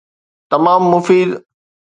تمام مفيد.